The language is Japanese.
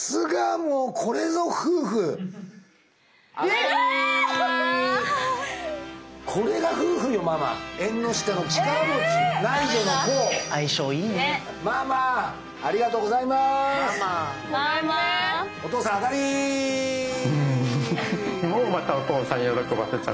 もうまたお父さん喜ばせちゃって。